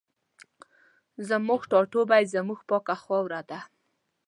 زموږ ټاټوبی زموږ پاکه خاوره ده